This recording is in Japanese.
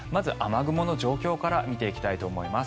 まず、雨雲の状況から見ていきたいと思います。